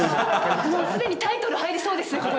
もうすでにタイトル入りそうですよ、